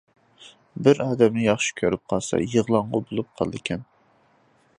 بىر ئادەمنى ياخشى كۆرۈپ قالسا يىغلاڭغۇ بولۇپ قالىدىكەن.